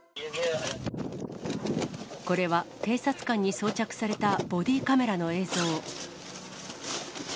これは、警察官に装着されたボディーカメラの映像。